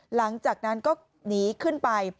หลังจากนั้นก็หนีขึ้นไป